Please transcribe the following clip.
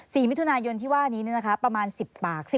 สี่มิถุนายนที่ว่านี้นะคะประมาณ๑๐ปาก